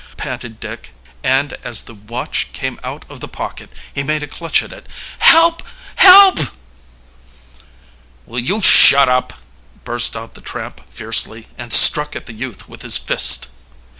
panted Dick, and as the watch came out of the pocket he made a clutch at it. "Help! help!" "Will you shut up!" burst out the tramp fiercely, and struck at the youth with his fist.